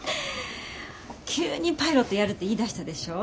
急にパイロットやるて言いだしたでしょ。